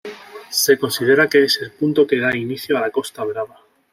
Se considera que es el punto que da inicio a la costa Brava.